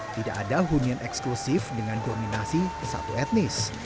tidak ada union eksklusif dengan koordinasi satu etnis